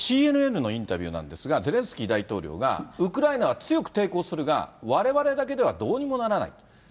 これ、ＣＮＮのインタビューなんですが、ゼレンスキー大統領が、ウクライナは強く抵抗するが、われわれだけではどうにもならない。